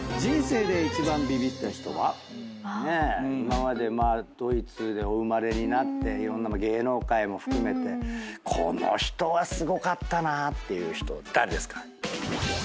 今までまあドイツでお生まれになっていろんな芸能界も含めてこの人はすごかったなっていう人誰ですか？